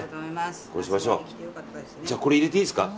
これ入れていいですか。